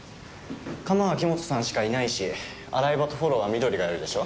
釜は黄本さんしかいないし洗い場とフォローは緑がやるでしょ。